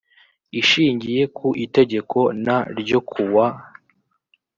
ishingiye ku itegeko n ryo kuwa